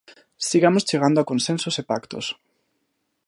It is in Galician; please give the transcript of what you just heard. Sigamos chegando a consensos e pactos.